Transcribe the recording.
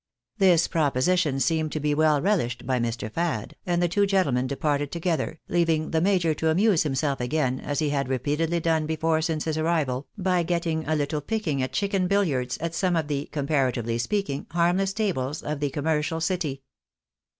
This proposition seemed to be well relished by Mr. Fad, and the two gentlemen departed together, leaving the major to amuse liimseli again, as he had repeatedly done before since his arrival, by getting a little picking at chicken billiards at some of the (com paratively speaking) harmless tables of the commercial city.